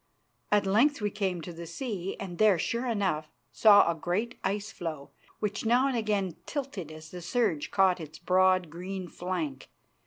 At length we came to the sea, and there, sure enough, saw a great ice floe, which now and again tilted as the surge caught its broad green flank.